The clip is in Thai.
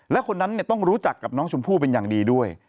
และคนนั้นต้องรู้จักกับน้องชมพู่เป็นอย่างดีด้วย